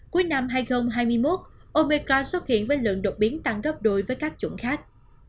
cuối năm hai nghìn hai mươi một omecra xuất hiện với lượng đột biến tăng gấp đôi với các chủng khác